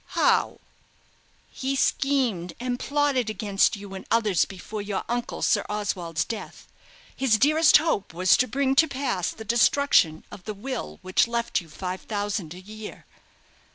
"How?" "He schemed and plotted against you and others before your uncle Sir Oswald's death. His dearest hope was to bring to pass the destruction of the will which left you five thousand a year."